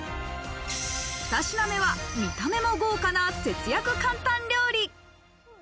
２品目は見た目も豪華な節約簡単料理。